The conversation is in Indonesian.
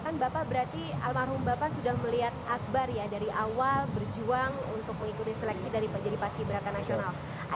kan bapak berarti almarhum bapak sudah melihat akbar ya dari awal berjuang untuk mengikuti seleksi dari paski beraka nasional